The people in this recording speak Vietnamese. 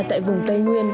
tại vùng tây nguyên